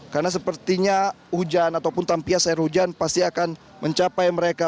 karena sepertinya hujan ataupun tampias air hujan pasti akan mencapai mereka